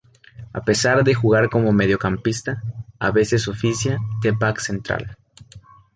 A pesar de jugar como mediocampista, a veces oficia de back central.